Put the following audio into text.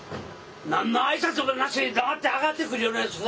何の挨拶もなしに黙って上がってくるようなやつ